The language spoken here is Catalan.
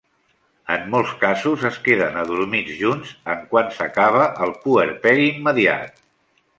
En molts casos es queden adormits junts en quant s'acaba el puerperi immediat.